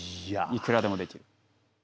いくらでもできる。